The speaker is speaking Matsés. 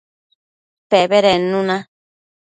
Pebedednu na